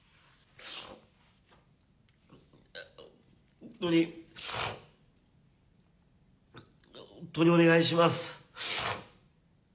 本当に本当にお願いします。